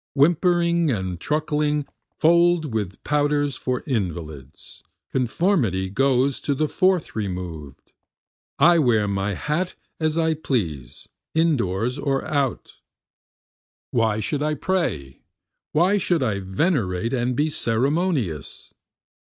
Whimpering and truckling fold with powders for invalids, conformity goes to the fourth remov'd, I wear my hat as I please indoors or out. Why should I pray? why should I venerate and be ceremonious?